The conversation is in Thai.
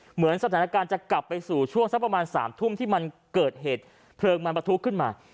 เหมือนสถานการณ์จะกลับไปสู่ช่วงสักประมาณ๓ทุ่มที่มันเกิดเหตุเพลิงมันประทุขึ้นมา